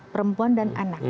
perempuan dan anak